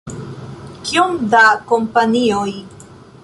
Kiom da kompanioj?